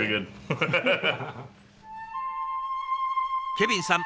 ケビンさん